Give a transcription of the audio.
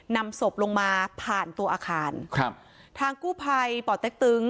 นำศพลงมาผ่านตัวอาคารครับทางกู้ภัยป่อเต็กตึง